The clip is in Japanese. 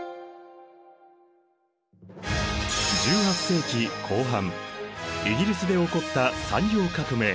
１８世紀後半イギリスで起こった産業革命。